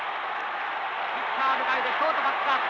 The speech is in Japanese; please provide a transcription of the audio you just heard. ピッチャー抜かれてショートバックアップ。